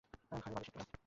ঘাড়ে বালিশের তুলা।